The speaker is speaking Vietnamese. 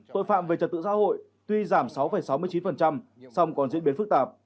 tội phạm về trật tựa xã hội tuy giảm sáu sáu mươi chín xong còn diễn biến phức tạp